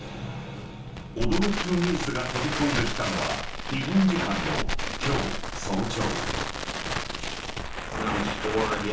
驚きのニュースが飛び込んできたのは日本時間の今日早朝。